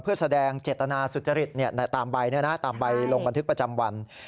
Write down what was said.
เพื่อแสดงเจตนาสุจริตตามใบตามใบลงบันทึกประจำวัน